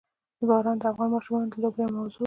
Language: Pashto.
باران د افغان ماشومانو د لوبو یوه موضوع ده.